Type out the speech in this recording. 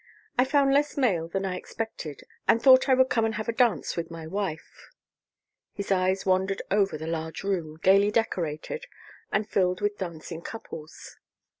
"I found less mail than I expected and thought I would come and have a dance with my wife." His eyes wandered over the large room, gayly decorated, and filled with dancing couples. Mrs.